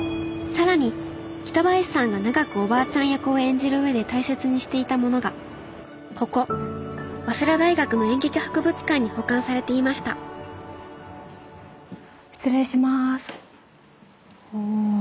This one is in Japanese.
更に北林さんが長くおばあちゃん役を演じる上で大切にしていたものがここ早稲田大学の演劇博物館に保管されていました失礼します。